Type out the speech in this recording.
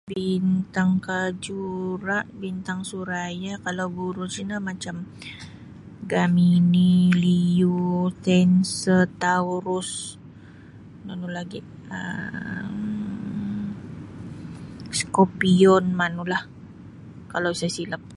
Bintang Kajura' bintang Suraya kalau buruj no macam Gemini Leo Cancer Taurus nunu lagi um Scorpion manulah kalau sa' silap.